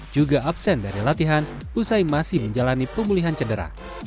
juga absen dari latihan usai masih menjalani pemulihan cedera